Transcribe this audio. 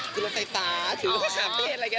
ทลุกรถไฟฟ้าถืำรถขามเตศอะไรแบบนี้